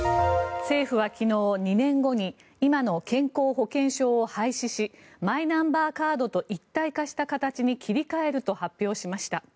政府は昨日２年後に今の健康保険証を廃止しマイナンバーカードと一体化した形に切り替えると発表しました。